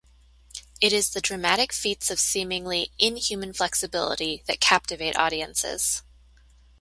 It is the dramatic feats of seemingly inhuman flexibility that captivate audiences.